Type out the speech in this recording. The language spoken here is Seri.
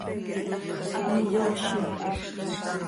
miyoozi.